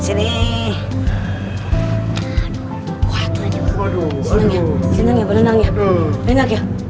bener gak ya